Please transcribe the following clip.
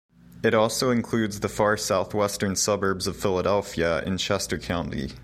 It also includes the far southwestern suburbs of Philadelphia in Chester County.